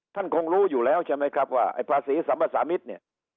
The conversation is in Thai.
ท่านคงรู้อยู่แล้วใช่ไหมครับว่าไอ้ภาษีสัมภาษามิตรเนี่ย